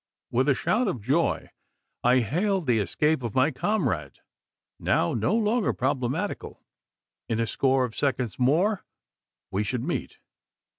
With a shout of joy I hailed the escape of my comrade, now no longer problematical. In a score of seconds more, we should meet.